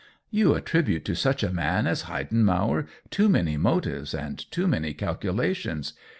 "You attribute to such a man as Heiden mauer too many motives and too many cal culations.